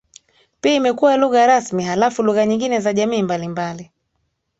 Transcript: pia imekuwa lugha rasmi halafu lugha nyingine za jamii mbalimbali